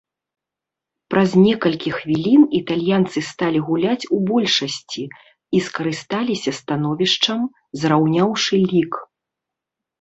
Праз некалькі хвілін італьянцы сталі гуляць у большасці і скарысталіся становішчам, зраўняўшы лік.